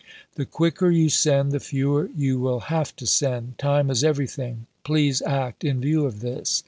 The quicker you send, the fewer you will have to send. Time is everything ; please act in view of this.